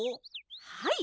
はい！